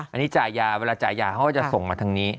อันนี้จ่ายยาเวลาจ่ายยาเขาก็จะส่งมาทางนี้